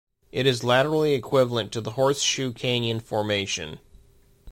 It is laterally equivalent to the Horseshoe Canyon Formation.